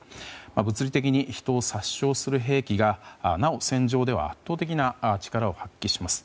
物理的に人を殺傷する兵器がなお戦場では圧倒的な力を発揮します。